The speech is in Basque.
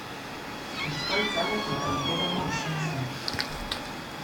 Euskaltzale eta liberala izan zen.